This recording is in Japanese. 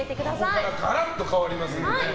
ここからガラッと変わりますので。